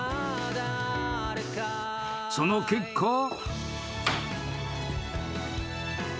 ［その結果］